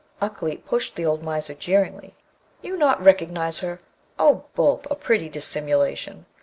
Ukleet pushed the old miser jeeringly: 'You not recognise her? Oh, Boolp, a pretty dissimulation!